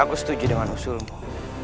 aku setuju dengan usulmu